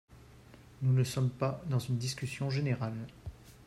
Nous ne sommes pas dans une discussion générale